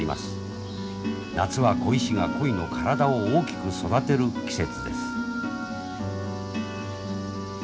夏は鯉師が鯉の体を大きく育てる季節です。